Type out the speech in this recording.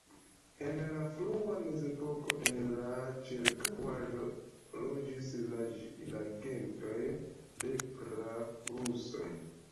En la frua Mezepoko en la ĉirkaŭaĵo loĝis la gentoj de praprusoj.